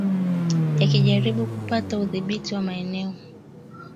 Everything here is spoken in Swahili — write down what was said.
yakijaribu kupata udhibiti wa maeneo